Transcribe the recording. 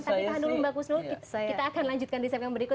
tapi tahan dulu mbak husul kita akan lanjutkan disini yang berikut